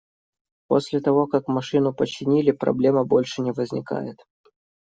После того, как машину починили, проблема больше не возникает.